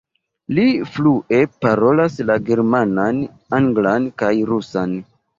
Li flue parolas la germanan, anglan kaj rusan.